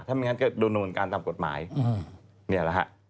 มันก็เป็นขายขาดไง